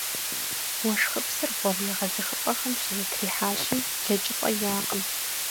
Уэшхыпсыр гъуэгу егъэзыхыпӏэхэм щызэтрихьащи, блэкӏыпӏэ иӏэкъым.